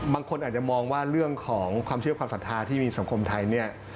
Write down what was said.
บางคนอาจจะมองว่าเรื่องของความเชื่อความศรัทธาที่มีสังคมไทยเนี่ย